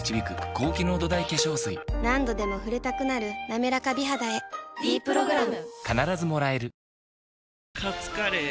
何度でも触れたくなる「なめらか美肌」へ「ｄプログラム」カツカレー？